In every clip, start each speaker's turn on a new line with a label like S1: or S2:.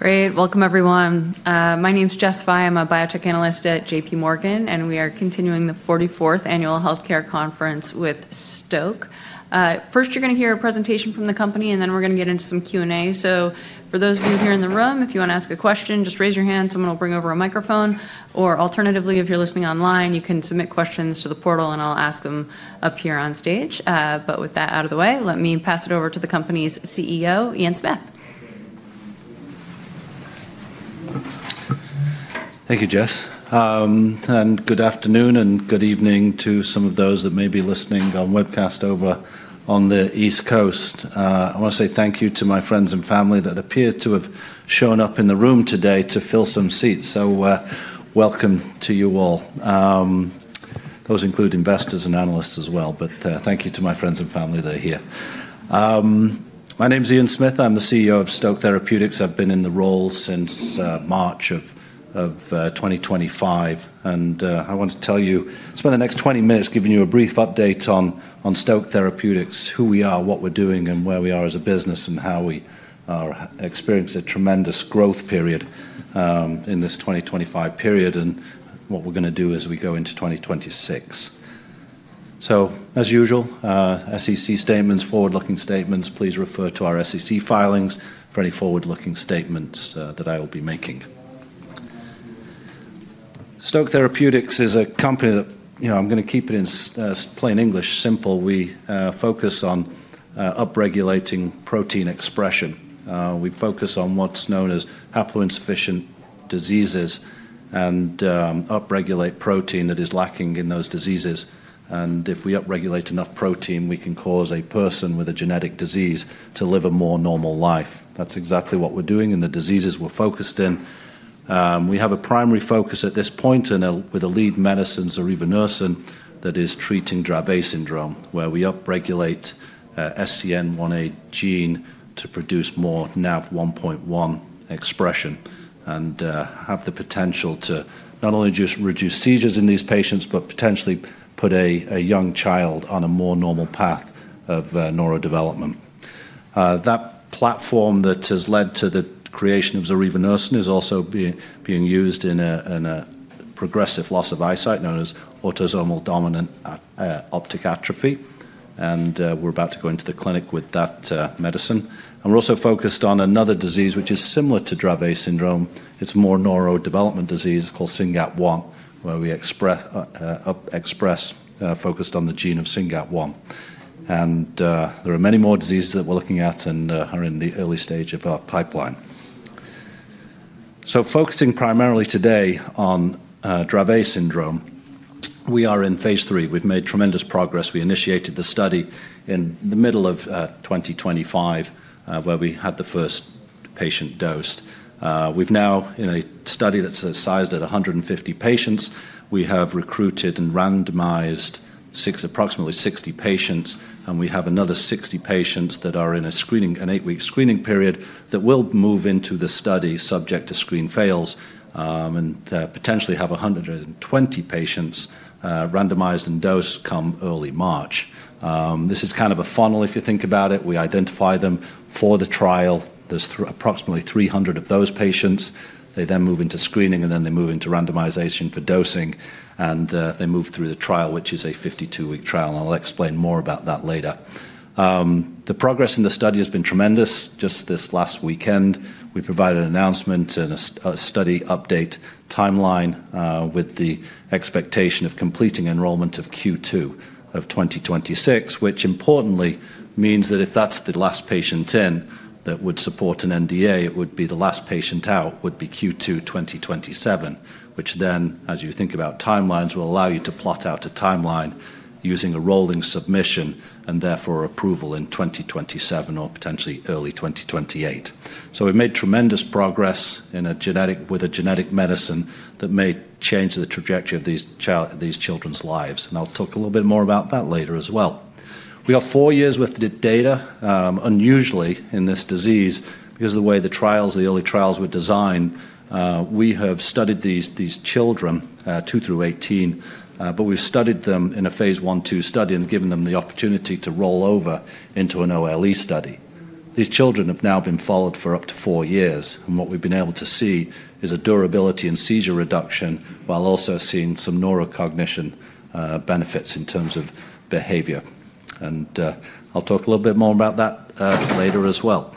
S1: Great. Welcome, everyone. My name's Jessica Fye. I'm a biotech analyst at J.P. Morgan, and we are continuing the 44th Annual Healthcare Conference with Stoke. First, you're going to hear a presentation from the company, and then we're going to get into some Q&A. So for those of you here in the room, if you want to ask a question, just raise your hand. Someone will bring over a microphone. Or alternatively, if you're listening online, you can submit questions to the portal, and I'll ask them up here on stage. But with that out of the way, let me pass it over to the company's CEO, Ian Smith.
S2: Thank you, Jess, and good afternoon and good evening to some of those that may be listening on webcast over on the East Coast. I want to say thank you to my friends and family that appear to have shown up in the room today to fill some seats, so welcome to you all. Those include investors and analysts as well, but thank you to my friends and family that are here. My name's Ian Smith. I'm the CEO of Stoke Therapeutics. I've been in the role since March of 2025, and I want to tell you, spend the next 20 minutes giving you a brief update on Stoke Therapeutics, who we are, what we're doing, and where we are as a business, and how we experienced a tremendous growth period in this 2025 period and what we're going to do as we go into 2026. So as usual, SEC statements, forward-looking statements. Please refer to our SEC filings for any forward-looking statements that I will be making. Stoke Therapeutics is a company that I'm going to keep it in plain English, simple. We focus on upregulating protein expression. We focus on what's known as haplo-insufficient diseases and upregulate protein that is lacking in those diseases. And if we upregulate enough protein, we can cause a person with a genetic disease to live a more normal life. That's exactly what we're doing, and the diseases we're focused in. We have a primary focus at this point with a lead medicine, zorevunersen, that is treating Dravet syndrome, where we upregulate SCN1A gene to produce more NaV1.1 expression and have the potential to not only just reduce seizures in these patients, but potentially put a young child on a more normal path of neurodevelopment. That platform that has led to the creation of zorevunersen is also being used in a progressive loss of eyesight known as Autosomal Dominant Optic Atrophy. We're about to go into the clinic with that medicine. We're also focused on another disease, which is similar to Dravet syndrome. It's a more neurodevelopmental disease called SYNGAP1, where we're focused on the gene of SYNGAP1. There are many more diseases that we're looking at and are in the early stage of our pipeline. Focusing primarily today on Dravet syndrome, we are in Phase III. We've made tremendous progress. We initiated the study in the middle of 2025, where we had the first patient dosed. We've now, in a study that's sized at 150 patients, we have recruited and randomized approximately 60 patients, and we have another 60 patients that are in an eight-week screening period that will move into the study subject to screen fails and potentially have 120 patients randomized and dosed come early March. This is kind of a funnel, if you think about it. We identify them for the trial. There's approximately 300 of those patients. They then move into screening, and then they move into randomization for dosing, and they move through the trial, which is a 52-week trial. And I'll explain more about that later. The progress in the study has been tremendous. Just this last weekend, we provided an announcement and a study update timeline with the expectation of completing enrollment of Q2 of 2026, which importantly means that if that's the last patient in, that would support an NDA, it would be the last patient out would be Q2 2027, which then, as you think about timelines, will allow you to plot out a timeline using a rolling submission and therefore approval in 2027 or potentially early 2028, so we've made tremendous progress with a genetic medicine that may change the trajectory of these children's lives, and I'll talk a little bit more about that later as well. We have four years with the data. Unusually in this disease, because of the way the trials, the early trials were designed, we have studied these children, 2 through 18, but we've studied them in a Phase I/2 study and given them the opportunity to roll over into an OLE study. These children have now been followed for up to four years, and what we've been able to see is a durability and seizure reduction while also seeing some neurocognition benefits in terms of behavior, and I'll talk a little bit more about that later as well.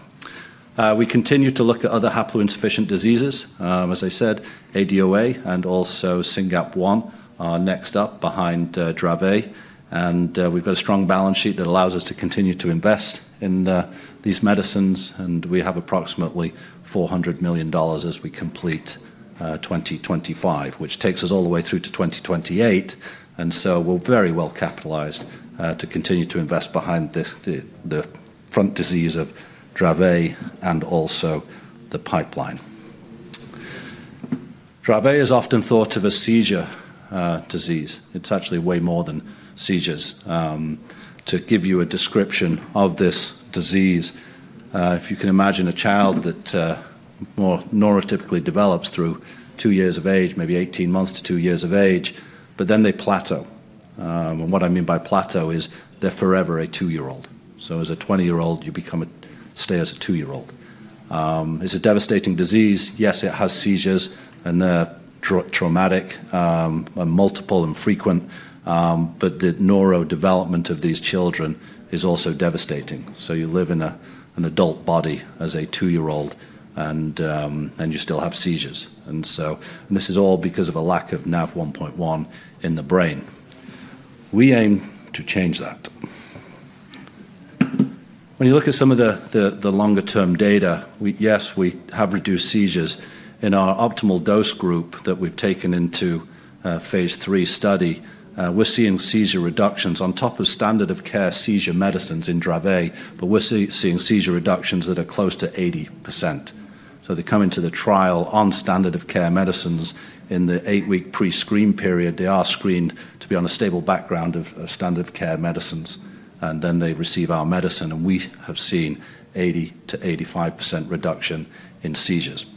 S2: We continue to look at other haplo-insufficient diseases. As I said, ADOA and also SYNGAP1 are next up behind Dravet. And we've got a strong balance sheet that allows us to continue to invest in these medicines, and we have approximately $400 million as we complete 2025, which takes us all the way through to 2028. And so we're very well capitalized to continue to invest behind the front disease of Dravet and also the pipeline. Dravet is often thought of as seizure disease. It's actually way more than seizures. To give you a description of this disease, if you can imagine a child that more neurotypically develops through two years of age, maybe 18 months to two years of age, but then they plateau. And what I mean by plateau is they're forever a two-year-old. So as a 20-year-old, you stay as a two-year-old. It's a devastating disease. Yes, it has seizures, and they're traumatic and multiple and frequent. But the neurodevelopment of these children is also devastating. So you live in an adult body as a two-year-old, and you still have seizures. And this is all because of a lack of NaV1.1 in the brain. We aim to change that. When you look at some of the longer-term data, yes, we have reduced seizures. In our optimal dose group that we've taken into Phase III study, we're seeing seizure reductions on top of standard of care seizure medicines in Dravet, but we're seeing seizure reductions that are close to 80%. So they come into the trial on standard of care medicines in the eight-week pre-screen period. They are screened to be on a stable background of standard of care medicines, and then they receive our medicine, and we have seen 80%–85% reduction in seizures.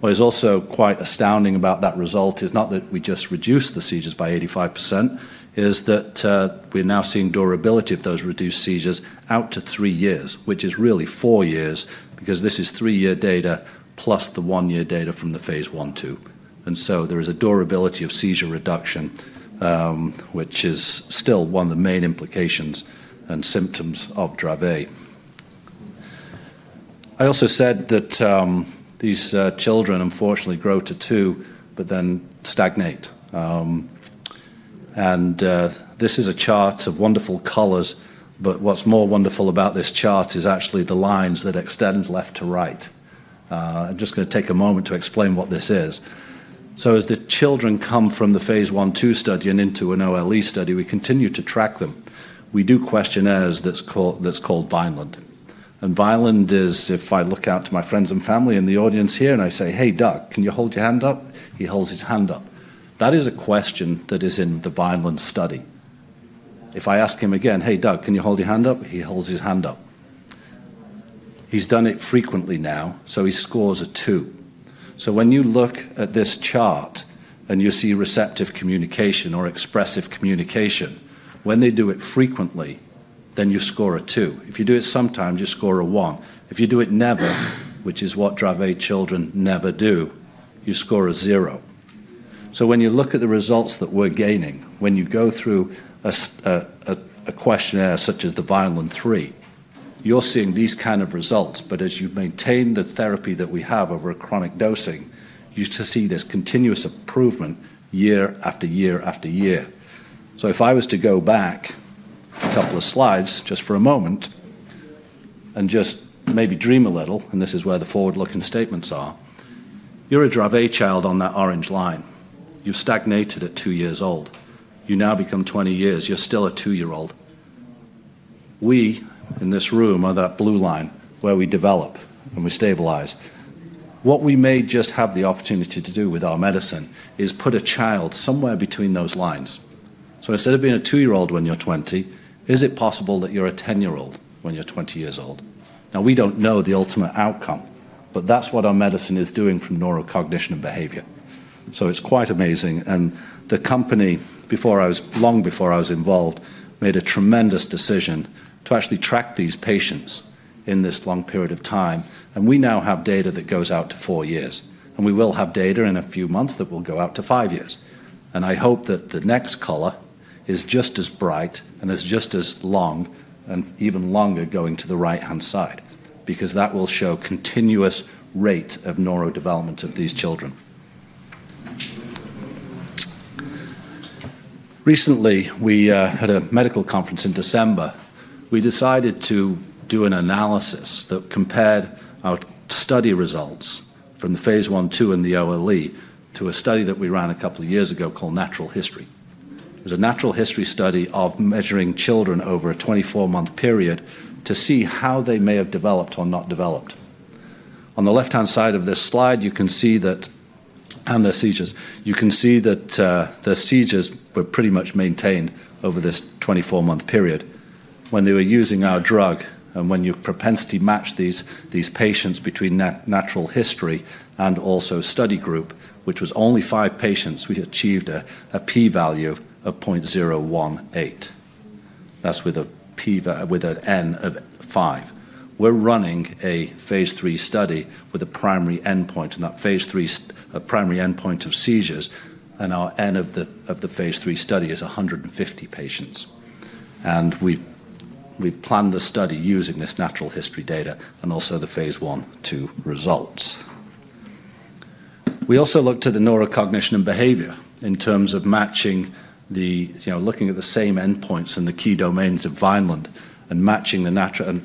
S2: What is also quite astounding about that result is not that we just reduced the seizures by 85%, is that we're now seeing durability of those reduced seizures out to three years, which is really four years because this is three-year data plus the one-year data from the Phase I/2. And so there is a durability of seizure reduction, which is still one of the main implications and symptoms of Dravet. I also said that these children, unfortunately, grow to two, but then stagnate. And this is a chart of wonderful colors, but what's more wonderful about this chart is actually the lines that extend left to right. I'm just going to take a moment to explain what this is. So as the children come from the Phase I/2 study and into an OLE study, we continue to track them. We do questionnaires that's called Vineland. And Vineland is, if I look out to my friends and family in the audience here and I say, "Hey, Doug, can you hold your hand up?" He holds his hand up. That is a question that is in the Vineland study. If I ask him again, "Hey, Doug, can you hold your hand up?" He holds his hand up. He's done it frequently now, so he scores a two. So when you look at this chart and you see receptive communication or expressive communication, when they do it frequently, then you score a two. If you do it sometimes, you score a one. If you do it never, which is what Dravet children never do, you score a zero. So when you look at the results that we're gaining, when you go through a questionnaire such as the Vineland-3, you're seeing these kind of results. But as you maintain the therapy that we have over a chronic dosing, you see this continuous improvement year-after-year. So if I was to go back a couple of slides just for a moment and just maybe dream a little, and this is where the forward-looking statements are, you're a Dravet child on that orange line. You've stagnated at two years old. You now become 20 years. You're still a two-year-old. We in this room are that blue line where we develop and we stabilize. What we may just have the opportunity to do with our medicine is put a child somewhere between those lines. So instead of being a two-year-old when you're 20, is it possible that you're a 10-year-old when you're 20 years old? Now, we don't know the ultimate outcome, but that's what our medicine is doing from neurocognition and behavior. So it's quite amazing. The company, long before I was involved, made a tremendous decision to actually track these patients in this long period of time. We now have data that goes out to four years. We will have data in a few months that will go out to five years. I hope that the next color is just as bright and is just as long and even longer going to the right-hand side because that will show continuous rate of neurodevelopment of these children. Recently, we had a medical conference in December. We decided to do an analysis that compared our study results from the Phase I, two, and the OLE to a study that we ran a couple of years ago called Natural History. It was a natural history study of measuring children over a 24-month period to see how they may have developed or not developed. On the left-hand side of this slide, you can see that, and the seizures, you can see that the seizures were pretty much maintained over this 24-month period when they were using our drug. When you propensity match these patients between natural history and also study group, which was only five patients, we achieved a p-value of 0.018. That's with a p with an N of five. We're running a Phase III study with a primary endpoint, and that Phase III primary endpoint of seizures, and our N of the Phase III study is 150 patients. We've planned the study using this natural history data and also the Phase I, two results. We also looked at the neurocognition and behavior in terms of matching, looking at the same endpoints and the key domains of Vineland and matching the natural history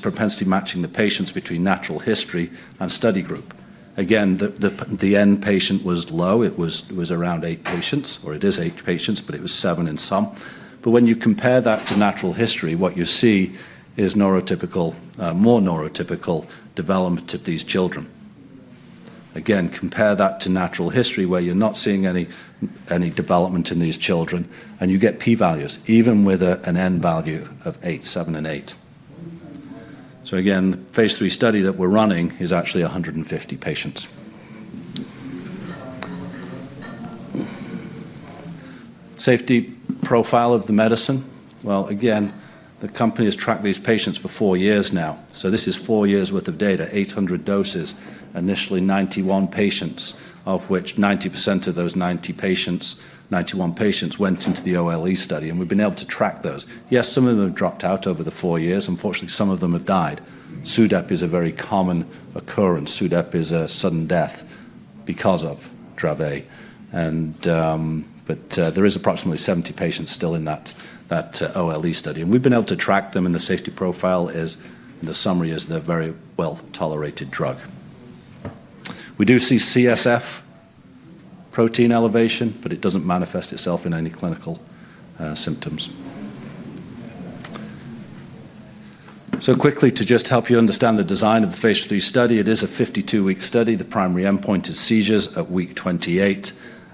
S2: propensity matching the patients between natural history and study group. Again, the N was low. It was around eight patients, or it is eight patients, but it was seven in some. But when you compare that to natural history, what you see is more neurotypical development of these children. Again, compare that to natural history where you're not seeing any development in these children, and you get p-values even with an N value of eight, seven, and eight. So again, Phase III study that we're running is actually 150 patients. Safety profile of the medicine. Well, again, the company has tracked these patients for four years now. This is four years' worth of data, 800 doses, initially 91 patients, of which 90% of those 91 patients went into the OLE study. We've been able to track those. Yes, some of them have dropped out over the four years. Unfortunately, some of them have died. SUDEP is a very common occurrence. SUDEP is a sudden death because of Dravet. There is approximately 70 patients still in that OLE study. We've been able to track them, and the safety profile, in the summary, is they're very well tolerated drug. We do see CSF protein elevation, but it doesn't manifest itself in any clinical symptoms. Quickly, to just help you understand the design of the Phase III study, it is a 52-week study. The primary endpoint is seizures at week 28,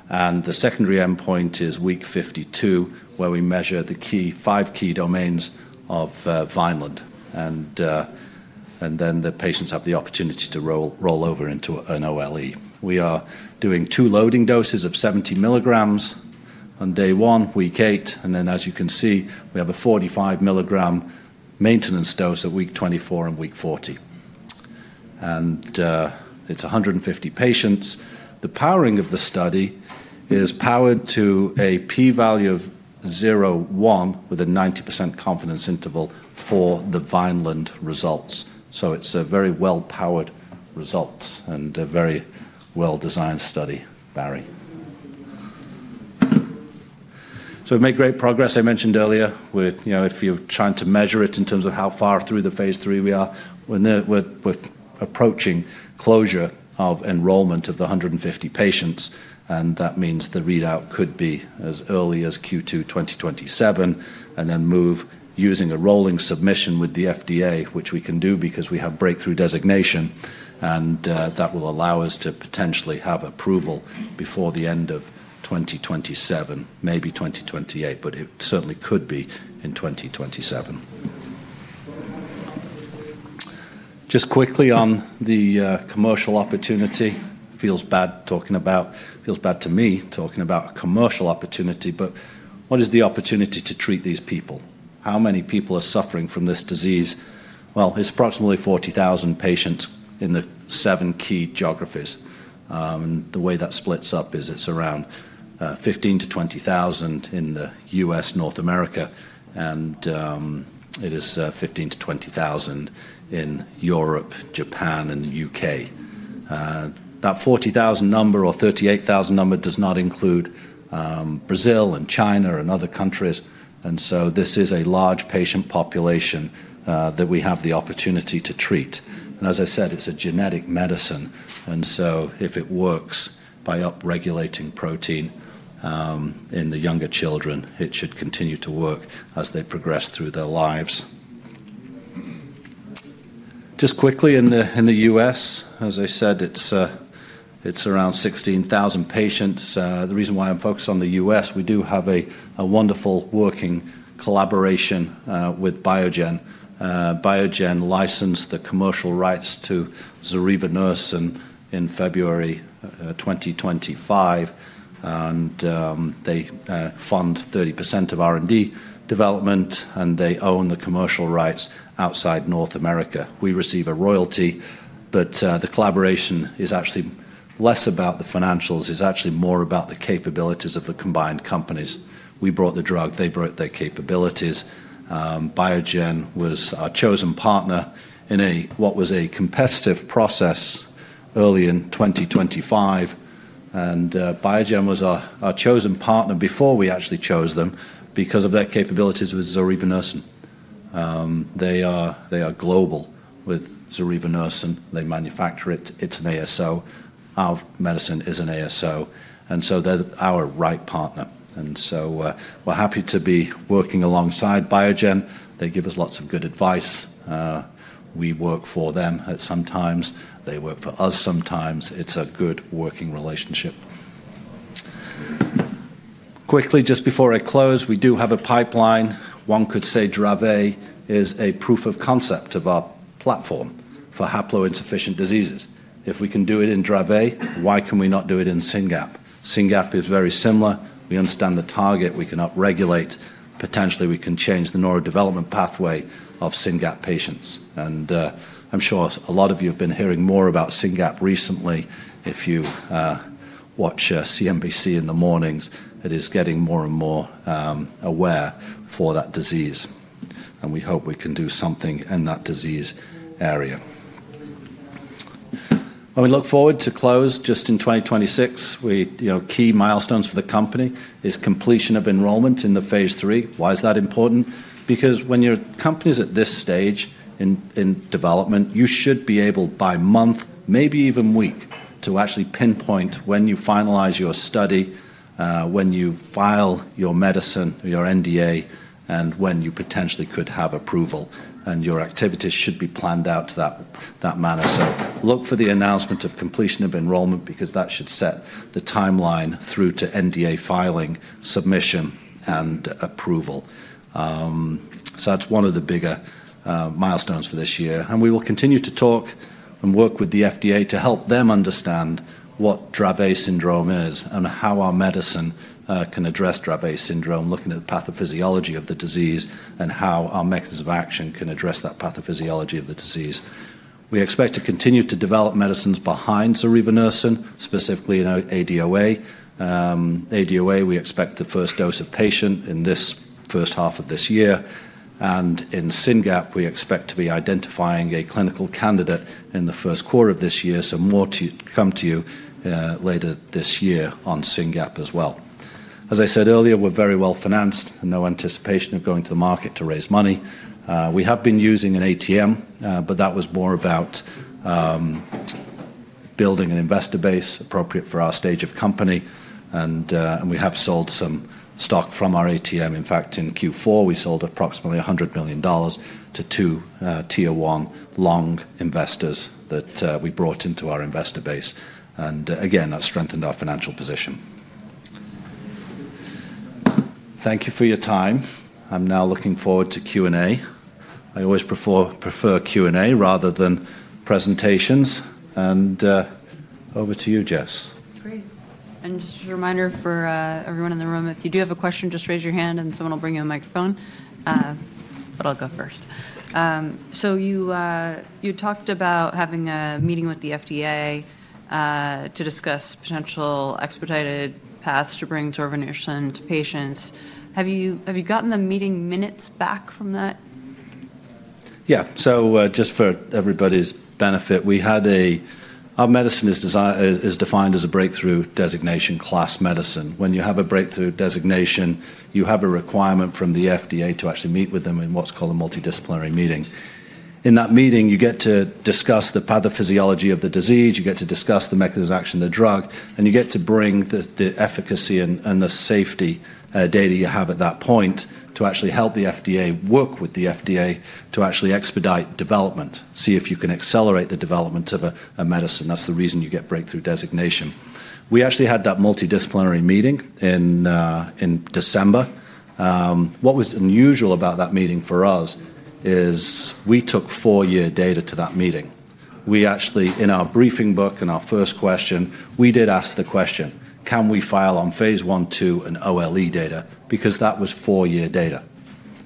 S2: and the secondary endpoint is week 52, where we measure the five key domains of Vineland-3. Then the patients have the opportunity to roll over into an OLE. We are doing two loading doses of 70 milligrams on day one, week eight. Then, as you can see, we have a 45 milligram maintenance dose at week 24 and week 40. It's 150 patients. The powering of the study is powered to a p-value of 0.1 with a 90% confidence interval for the Vineland-3 results. It's a very well-powered results and a very well-designed study, Barry. We've made great progress. I mentioned earlier, if you're trying to measure it in terms of how far through the Phase III we are, we're approaching closure of enrollment of the 150 patients. That means the readout could be as early as Q2 2027 and then move using a rolling submission with the FDA, which we can do because we have Breakthrough Designation. That will allow us to potentially have approval before the end of 2027, maybe 2028, but it certainly could be in 2027. Just quickly on the commercial opportunity. Feels bad talking about, feels bad to me talking about commercial opportunity, but what is the opportunity to treat these people? How many people are suffering from this disease? It's approximately 40,000 patients in the seven key geographies. The way that splits up is it's around 15-20,000 in the U.S., North America, and it is 15-20,000 in Europe, Japan, and the U.K. That 40,000 number or 38,000 number does not include Brazil and China and other countries. This is a large patient population that we have the opportunity to treat. As I said, it's a genetic medicine. If it works by upregulating protein in the younger children, it should continue to work as they progress through their lives. Just quickly, in the U.S., as I said, it's around 16,000 patients. The reason why I'm focused on the U.S. is we do have a wonderful working collaboration with Biogen. Biogen licensed the commercial rights to zorevunersen in February 2025. They fund 30% of R&D development, and they own the commercial rights outside North America. We receive a royalty, but the collaboration is actually less about the financials. It's actually more about the capabilities of the combined companies. We brought the drug. They brought their capabilities. Biogen was our chosen partner in what was a competitive process early in 2025. Biogen was our chosen partner before we actually chose them because of their capabilities with zorevunersen. They are global with zorevunersen. They manufacture it. It's an ASO. Our medicine is an ASO. And so they're our right partner. And so we're happy to be working alongside Biogen. They give us lots of good advice. We work for them at some times. They work for us sometimes. It's a good working relationship. Quickly, just before I close, we do have a pipeline. One could say Dravet is a proof of concept of our platform for haplo-insufficient diseases. If we can do it in Dravet, why can we not do it in SYNGAP1? SYNGAP1 is very similar. We understand the target. We can upregulate. Potentially, we can change the neurodevelopment pathway of SYNGAP1 patients. And I'm sure a lot of you have been hearing more about SYNGAP1 recently. If you watch CNBC in the mornings, it is getting more and more aware for that disease. And we hope we can do something in that disease area. And we look forward to close. Just in 2026, key milestones for the company is completion of enrollment in the Phase III. Why is that important? Because when your company is at this stage in development, you should be able by month, maybe even week, to actually pinpoint when you finalize your study, when you file your medicine, your NDA, and when you potentially could have approval. And your activities should be planned out to that manner. So look for the announcement of completion of enrollment because that should set the timeline through to NDA filing, submission, and approval. So that's one of the bigger milestones for this year. And we will continue to talk and work with the FDA to help them understand what Dravet syndrome is and how our medicine can address Dravet syndrome, looking at the pathophysiology of the disease and how our mechanism of action can address that pathophysiology of the disease. We expect to continue to develop medicines behind zorevunersen, specifically in ADOA. ADOA, we expect the first dose of patient in this first half of this year. And in SYNGAP1, we expect to be identifying a clinical candidate in the first quarter of this year. So more to come to you later this year on SYNGAP1 as well. As I said earlier, we're very well financed. No anticipation of going to the market to raise money. We have been using an ATM, but that was more about building an investor base appropriate for our stage of company. We have sold some stock from our ATM. In fact, in Q4, we sold approximately $100 million to two tier one long investors that we brought into our investor base. And again, that strengthened our financial position. Thank you for your time. I'm now looking forward to Q&A. I always prefer Q&A rather than presentations. And over to you, Jess. Great. And just a reminder for everyone in the room, if you do have a question, just raise your hand and someone will bring you a microphone. But I'll go first. So you talked about having a meeting with the FDA to discuss potential expedited paths to bring zorevunersen to patients. Have you gotten the meeting minutes back from that? Yeah. Just for everybody's benefit, our medicine is defined as a Breakthrough Designation class medicine. When you have a Breakthrough Designation, you have a requirement from the FDA to actually meet with them in what's called a multidisciplinary meeting. In that meeting, you get to discuss the pathophysiology of the disease. You get to discuss the mechanism of action of the drug. And you get to bring the efficacy and the safety data you have at that point to actually help the FDA, work with the FDA to actually expedite development, see if you can accelerate the development of a medicine. That's the reason you get Breakthrough Designation. We actually had that multidisciplinary meeting in December. What was unusual about that meeting for us is we took four-year data to that meeting. In our briefing book and our first question, we did ask the question, can we file on Phase I, 2, and OLE data? Because that was four-year data.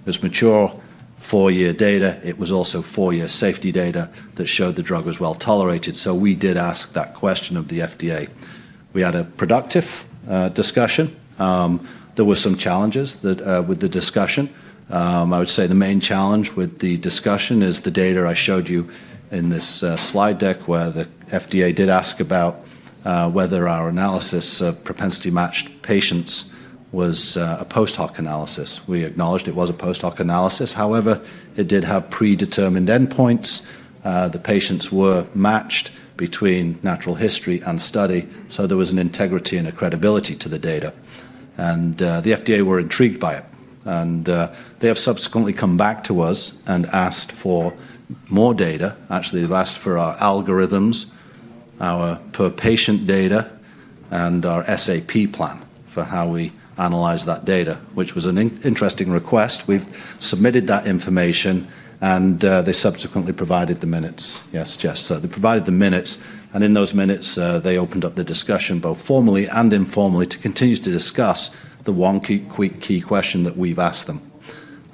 S2: It was mature four-year data. It was also four-year safety data that showed the drug was well tolerated. So we did ask that question of the FDA. We had a productive discussion. There were some challenges with the discussion. I would say the main challenge with the discussion is the data I showed you in this slide deck where the FDA did ask about whether our analysis of propensity matched patients was a post-hoc analysis. We acknowledged it was a post-hoc analysis. However, it did have predetermined endpoints. The patients were matched between natural history and study. So there was an integrity and a credibility to the data, and the FDA were intrigued by it. And they have subsequently come back to us and asked for more data. Actually, they've asked for our algorithms, our per-patient data, and our SAP plan for how we analyze that data, which was an interesting request. We've submitted that information, and they subsequently provided the minutes. Yes, Jess. So they provided the minutes. And in those minutes, they opened up the discussion both formally and informally to continue to discuss the one key question that we've asked them.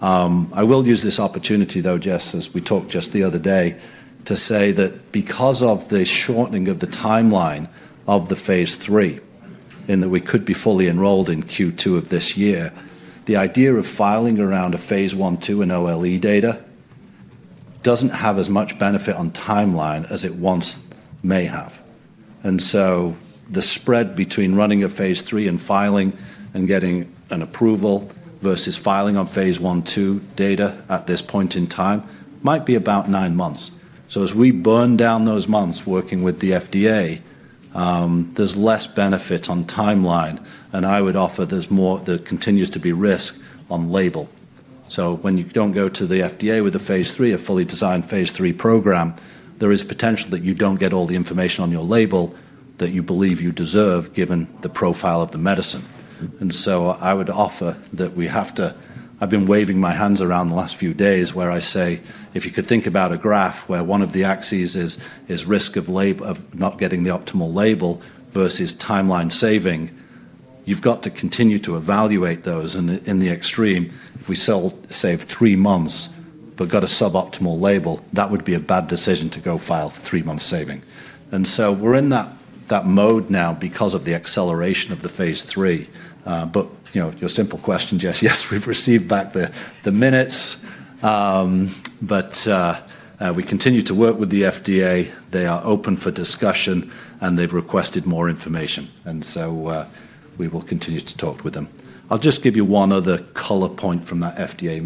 S2: I will use this opportunity, though, Jess, as we talked just the other day, to say that because of the shortening of the timeline of the Phase III and that we could be fully enrolled in Q2 of this year, the idea of filing around a Phase I, two, and OLE data doesn't have as much benefit on timeline as it once may have. And so the spread between running a Phase III and filing and getting an approval versus filing on Phase I, 2 data at this point in time might be about nine months. So as we burn down those months working with the FDA, there's less benefit on timeline. And I would offer there's more that continues to be risk on label. So when you don't go to the FDA with a Phase III, a fully designed Phase III program, there is potential that you don't get all the information on your label that you believe you deserve given the profile of the medicine. And so I would offer that we have to. I've been waving my hands around the last few days where I say, if you could think about a graph where one of the axes is risk of not getting the optimal label versus timeline saving, you've got to continue to evaluate those. And in the extreme, if we save three months but got a suboptimal label, that would be a bad decision to go file three months saving. And so we're in that mode now because of the acceleration of the Phase III. But your simple question, Jess, yes, we've received back the minutes. But we continue to work with the FDA. They are open for discussion, and they've requested more information. And so we will continue to talk with them. I'll just give you one other color point from that FDA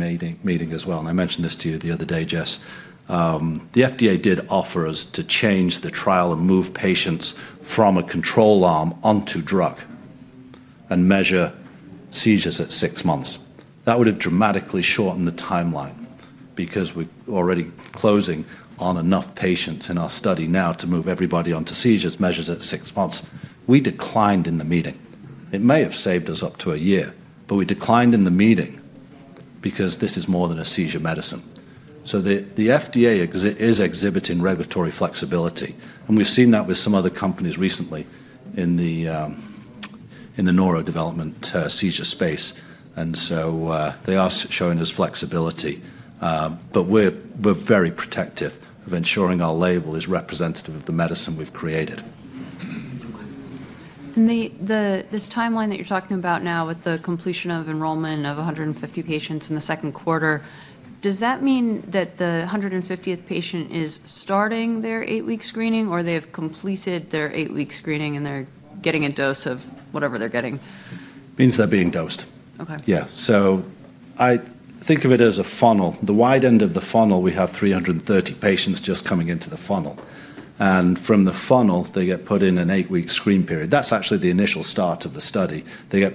S2: meeting as well. And I mentioned this to you the other day, Jess. The FDA did offer us to change the trial and move patients from a control arm onto drug and measure seizures at six months. That would have dramatically shortened the timeline because we're already closing on enough patients in our study now to move everybody onto seizures measures at six months. We declined in the meeting. It may have saved us up to a year, but we declined in the meeting because this is more than a seizure medicine. So the FDA is exhibiting regulatory flexibility. And we've seen that with some other companies recently in the neurodevelopmental seizure space. And so they are showing us flexibility. But we're very protective of ensuring our label is representative of the medicine we've created.
S1: This timeline that you're talking about now with the completion of enrollment of 150 patients in the second quarter, does that mean that the 150th patient is starting their eight-week screening or they have completed their eight-week screening and they're getting a dose of whatever they're getting?
S2: It means they're being dosed. Yeah, so I think of it as a funnel. The wide end of the funnel, we have 330 patients just coming into the funnel. And from the funnel, they get put in an eight-week screen period. That's actually the initial start of the study. We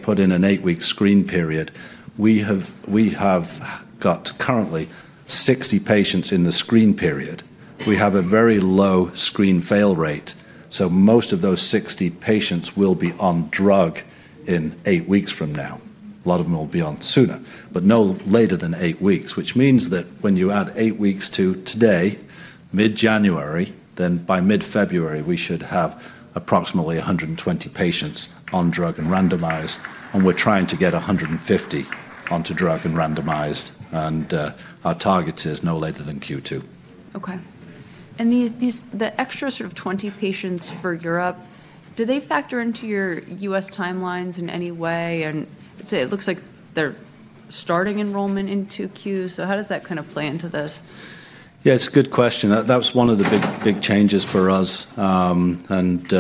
S2: have got currently 60 patients in the screen period. We have a very low screen fail rate. So most of those 60 patients will be on drug in eight weeks from now. A lot of them will be on sooner, but no later than eight weeks, which means that when you add eight weeks to today, mid-January, then by mid-February, we should have approximately 120 patients on drug and randomized. And we're trying to get 150 onto drug and randomized. And our target is no later than Q2.
S1: Okay. And the extra sort of 20 patients for Europe, do they factor into your US timelines in any way? And it looks like they're starting enrollment in Q2. So how does that kind of play into this?
S2: Yeah, it's a good question. That's one of the big changes for us. And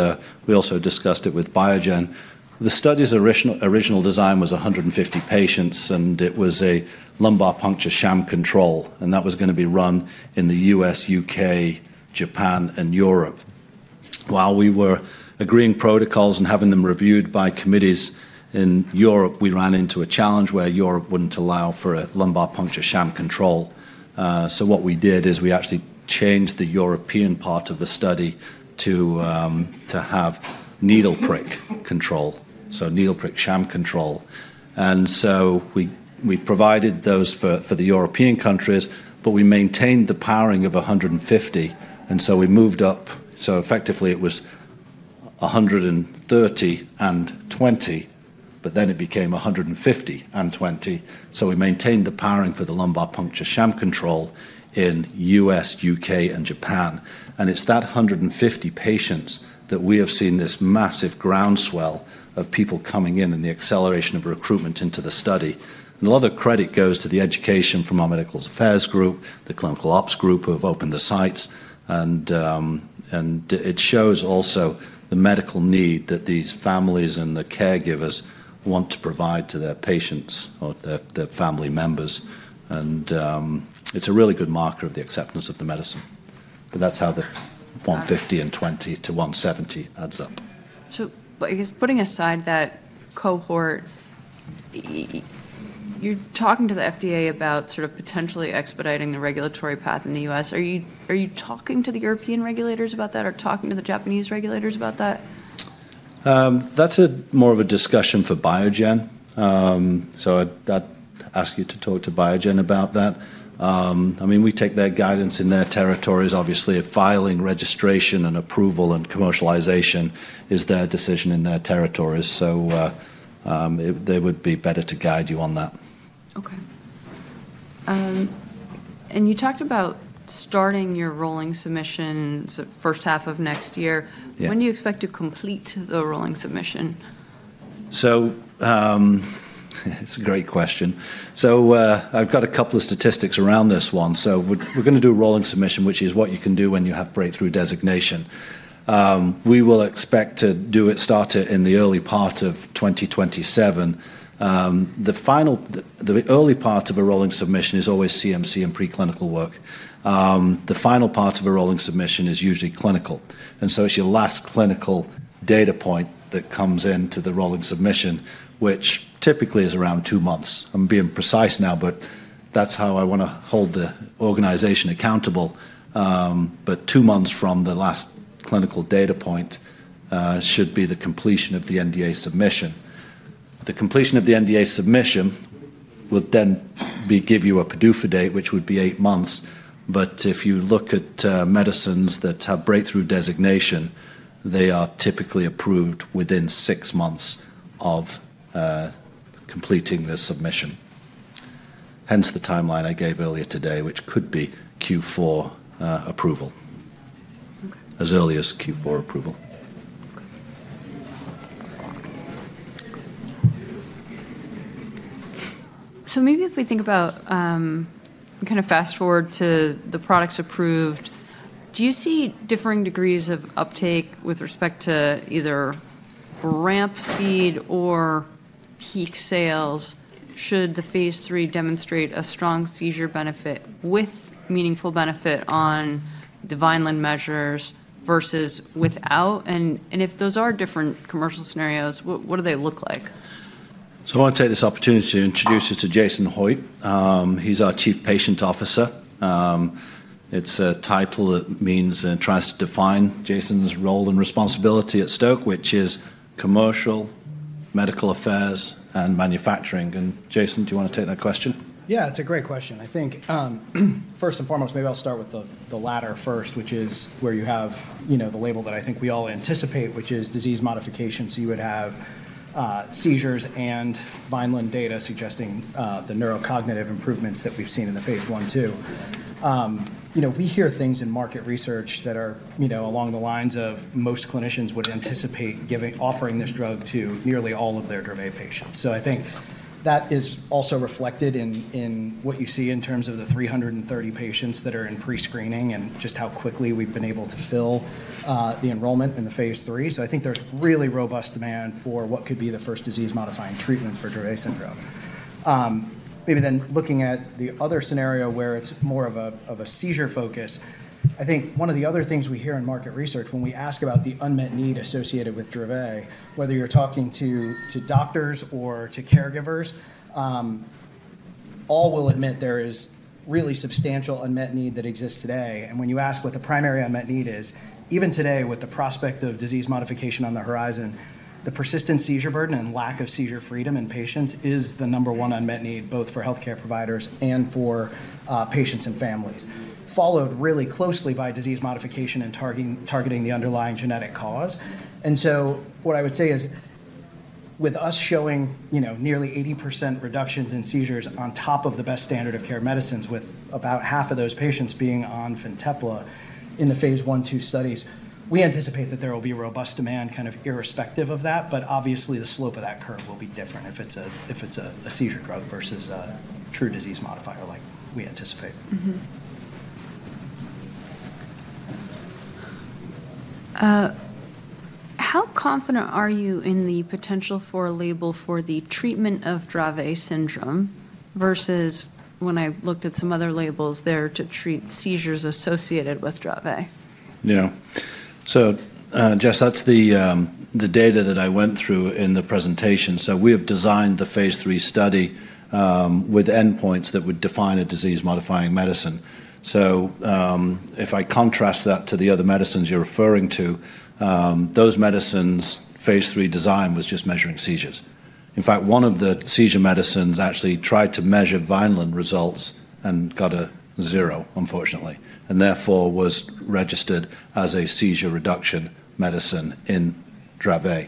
S2: we also discussed it with Biogen. The study's original design was 150 patients, and it was a lumbar puncture sham control. And that was going to be run in the U.S., U.K., Japan, and Europe. While we were agreeing protocols and having them reviewed by committees in Europe, we ran into a challenge where Europe wouldn't allow for a lumbar puncture sham control. So what we did is we actually changed the European part of the study to have needle prick control, so needle prick sham control. And so we provided those for the European countries, but we maintained the powering of 150. And so we moved up. So effectively, it was 130 and 20, but then it became 150 and 20. So we maintained the powering for the lumbar puncture sham control in U.S., U.K., and Japan. And it's that 150 patients that we have seen this massive groundswell of people coming in and the acceleration of recruitment into the study. And a lot of credit goes to the education from our medical affairs group, the clinical ops group who have opened the sites. And it shows also the medical need that these families and the caregivers want to provide to their patients or their family members. And it's a really good marker of the acceptance of the medicine. But that's how the 150 and 20 to 170 adds up.
S1: I guess putting aside that cohort, you're talking to the FDA about sort of potentially expediting the regulatory path in the U.S. Are you talking to the European regulators about that or talking to the Japanese regulators about that?
S2: That's more of a discussion for Biogen. So I'd ask you to talk to Biogen about that. I mean, we take their guidance in their territories. Obviously, filing, registration, and approval and commercialization is their decision in their territories. So they would be better to guide you on that.
S1: Okay. And you talked about starting your rolling submissions the first half of next year. When do you expect to complete the rolling submission?
S2: It's a great question. I've got a couple of statistics around this one. We're going to do a rolling submission, which is what you can do when you have breakthrough designation. We will expect to start it in the early part of 2027. The early part of a rolling submission is always CMC and preclinical work. The final part of a rolling submission is usually clinical. It's your last clinical data point that comes into the rolling submission, which typically is around two months. I'm being precise now, but that's how I want to hold the organization accountable. Two months from the last clinical data point should be the completion of the NDA submission. The completion of the NDA submission would then give you a PDUFA date, which would be eight months. But if you look at medicines that have Breakthrough Designation, they are typically approved within six months of completing the submission. Hence the timeline I gave earlier today, which could be Q4 approval, as early as Q4 approval.
S1: So maybe if we think about kind of fast forward to the products approved, do you see differing degrees of uptake with respect to either ramp speed or peak sales? Should the Phase III demonstrate a strong seizure benefit with meaningful benefit on the Vineland measures versus without? And if those are different commercial scenarios, what do they look like?
S2: So I want to take this opportunity to introduce you to Jason Hoitt. He's our Chief Patient Officer. It's a title that tries to define Jason's role and responsibility at Stoke, which is commercial, medical affairs, and manufacturing. And Jason, do you want to take that question?
S3: Yeah, it's a great question. I think first and foremost, maybe I'll start with the latter first, which is where you have the label that I think we all anticipate, which is disease modification. So you would have seizures and Vineland data suggesting the neurocognitive improvements that we've seen in the Phase I, two. We hear things in market research that are along the lines of most clinicians would anticipate offering this drug to nearly all of their Dravet patients. So I think that is also reflected in what you see in terms of the 330 patients that are in pre-screening and just how quickly we've been able to fill the enrollment in the Phase III. So I think there's really robust demand for what could be the first disease-modifying treatment for Dravet syndrome. Maybe then looking at the other scenario where it's more of a seizure focus, I think one of the other things we hear in market research when we ask about the unmet need associated with Dravet, whether you're talking to doctors or to caregivers, all will admit there is really substantial unmet need that exists today. And when you ask what the primary unmet need is, even today, with the prospect of disease modification on the horizon, the persistent seizure burden and lack of seizure freedom in patients is the number one unmet need both for healthcare providers and for patients and families, followed really closely by disease modification and targeting the underlying genetic cause. And so what I would say is with us showing nearly 80% reductions in seizures on top of the best standard of care medicines, with about half of those patients being on Fintepla in the Phase I, two studies, we anticipate that there will be robust demand kind of irrespective of that. But obviously, the slope of that curve will be different if it's a seizure drug versus a true disease modifier like we anticipate.
S1: How confident are you in the potential for a label for the treatment of Dravet syndrome versus when I looked at some other labels there to treat seizures associated with Dravet?
S2: Yeah. So Jess, that's the data that I went through in the presentation. So we have designed the Phase III study with endpoints that would define a disease-modifying medicine. So if I contrast that to the other medicines you're referring to, those medicines' Phase III design was just measuring seizures. In fact, one of the seizure medicines actually tried to measure Vineland results and got a zero, unfortunately, and therefore was registered as a seizure reduction medicine in Dravet.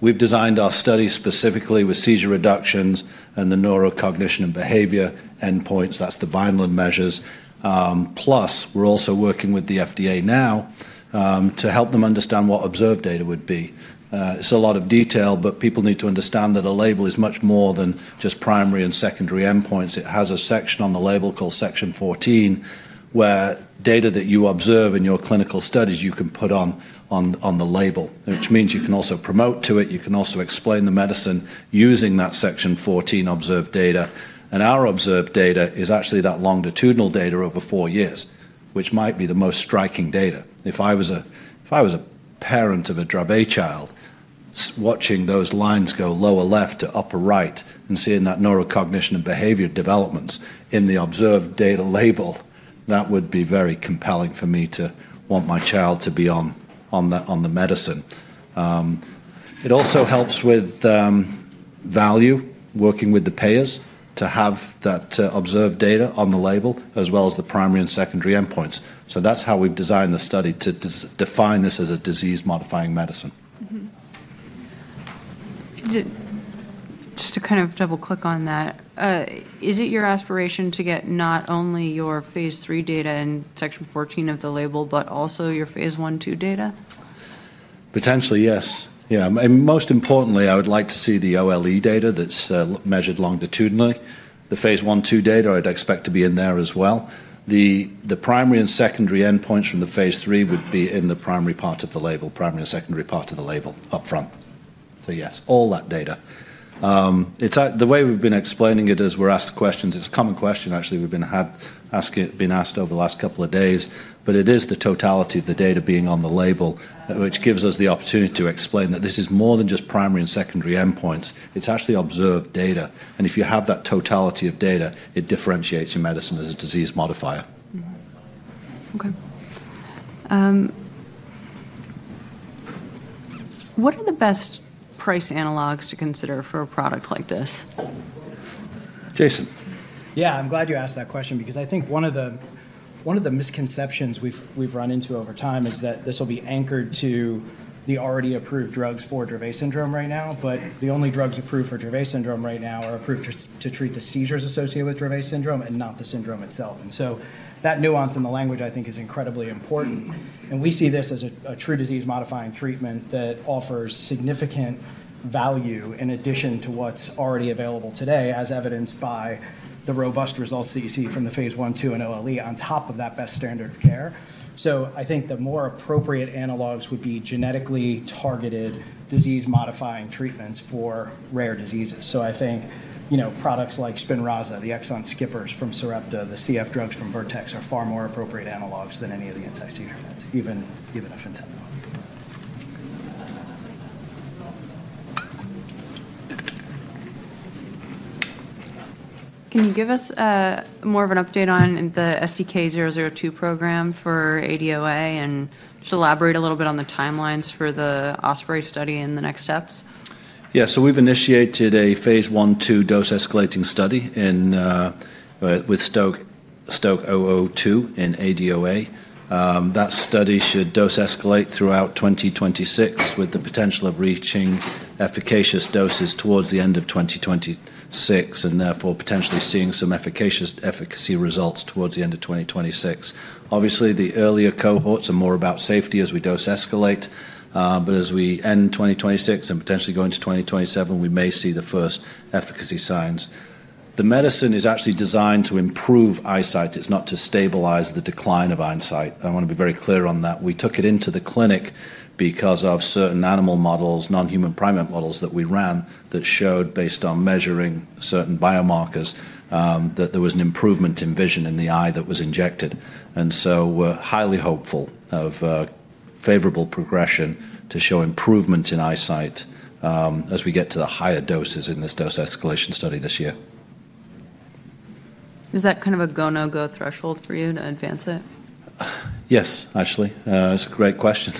S2: We've designed our study specifically with seizure reductions and the neurocognition and behavior endpoints. That's the Vineland measures. Plus, we're also working with the FDA now to help them understand what observed data would be. It's a lot of detail, but people need to understand that a label is much more than just primary and secondary endpoints. It has a section on the label called Section 14 where data that you observe in your clinical studies you can put on the label, which means you can also promote to it. You can also explain the medicine using that Section 14 observed data. And our observed data is actually that longitudinal data over four years, which might be the most striking data. If I was a parent of a Dravet child watching those lines go lower left to upper right and seeing that neurocognition and behavior developments in the observed data label, that would be very compelling for me to want my child to be on the medicine. It also helps with value, working with the payers to have that observed data on the label as well as the primary and secondary endpoints. So that's how we've designed the study to define this as a disease-modifying medicine.
S1: Just to kind of double-click on that, is it your aspiration to get not only your Phase III data in Section 14 of the label, but also your Phase I, two data?
S2: Potentially, yes. Yeah. And most importantly, I would like to see the OLE data that's measured longitudinally. The Phase I, two data I'd expect to be in there as well. The primary and secondary endpoints from the Phase III would be in the primary part of the label, primary and secondary part of the label upfront. So yes, all that data. The way we've been explaining it is we're asked questions. It's a common question, actually, we've been asked over the last couple of days. But it is the totality of the data being on the label, which gives us the opportunity to explain that this is more than just primary and secondary endpoints. It's actually observed data. And if you have that totality of data, it differentiates your medicine as a disease modifier.
S1: Okay. What are the best price analogs to consider for a product like this?
S2: Jason.
S3: Yeah, I'm glad you asked that question because I think one of the misconceptions we've run into over time is that this will be anchored to the already approved drugs for Dravet syndrome right now. But the only drugs approved for Dravet syndrome right now are approved to treat the seizures associated with Dravet syndrome and not the syndrome itself. And so that nuance in the language, I think, is incredibly important. And we see this as a true disease-modifying treatment that offers significant value in addition to what's already available today, as evidenced by the robust results that you see from the Phase I, two, and OLE on top of that best standard of care. So I think the more appropriate analogs would be genetically targeted disease-modifying treatments for rare diseases. I think products like Spinraza, the exon skippers from Sarepta, the CF drugs from Vertex are far more appropriate analogs than any of the anti-seizure meds, even Fintepla.
S1: Can you give us more of an update on the STK-002 program for ADOA and just elaborate a little bit on the timelines for the OSPREY study and the next steps?
S2: Yeah. So we've initiated a Phase I, 2 dose-escalating study with STK-002 in ADOA. That study should dose-escalate throughout 2026 with the potential of reaching efficacious doses towards the end of 2026 and therefore potentially seeing some efficacy results towards the end of 2026. Obviously, the earlier cohorts are more about safety as we dose-escalate. But as we end 2026 and potentially go into 2027, we may see the first efficacy signs. The medicine is actually designed to improve eyesight. It's not to stabilize the decline of eyesight. I want to be very clear on that. We took it into the clinic because of certain animal models, non-human primate models that we ran that showed, based on measuring certain biomarkers, that there was an improvement in vision in the eye that was injected. And so we're highly hopeful of favorable progression to show improvement in eyesight as we get to the higher doses in this dose-escalation study this year.
S1: Is that kind of a go, no-go threshold for you to advance it?
S2: Yes, actually. It's a great question.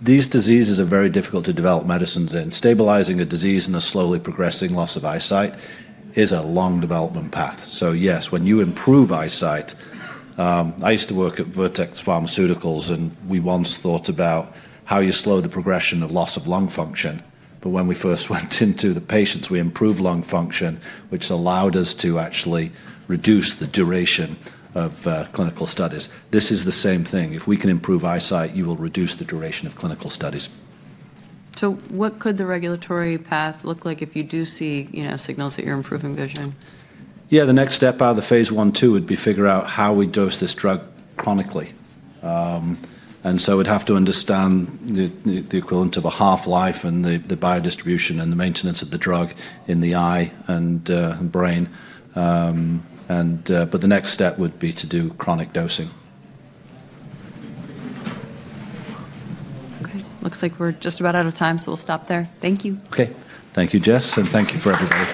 S2: These diseases are very difficult to develop medicines in. Stabilizing a disease and a slowly progressing loss of eyesight is a long development path. So yes, when you improve eyesight, I used to work at Vertex Pharmaceuticals, and we once thought about how you slow the progression of loss of lung function. But when we first went into the patients, we improved lung function, which allowed us to actually reduce the duration of clinical studies. This is the same thing. If we can improve eyesight, you will reduce the duration of clinical studies.
S1: What could the regulatory path look like if you do see signals that you're improving vision?
S2: Yeah, the next step out of the Phase I/2 would be figure out how we dose this drug chronically. And so we'd have to understand the equivalent of a half-life and the biodistribution and the maintenance of the drug in the eye and brain. But the next step would be to do chronic dosing.
S1: Okay. Looks like we're just about out of time, so we'll stop there. Thank you.
S2: Okay. Thank you, Jess, and thank you for everybody.